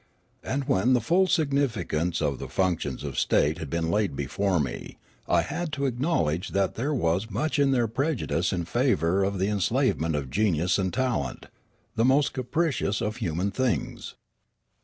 And when the full significance of the functions of state had been laid before me, I had to acknowledge that there was much in their prejudice in favour of the en slavement of genius and talent — the most capricious of human things.